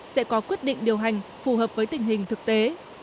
sẽ có quyết định điều hành phù hợp với tình hình thực tế